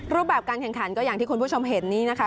รูปแบบการแข่งขันก็อย่างที่คุณผู้ชมเห็นนี่นะคะ